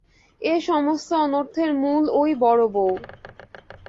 এ সমস্ত অনর্থের মূল ওই বড়োবউ।